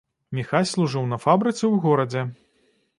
Міхась служыў на фабрыцы ў горадзе.